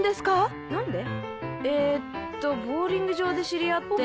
えっとボウリング場で知り合って。